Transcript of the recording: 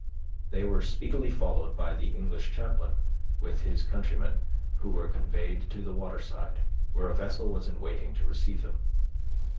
They were speedily followed by the English chaplain, with his countrymen, who were conveyed to the waterside, where a vessel was in waiting to receive them.